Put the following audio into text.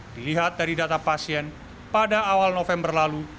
dilihat dari data pasien pada awal november lalu